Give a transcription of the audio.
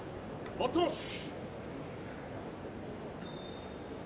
待ったなし。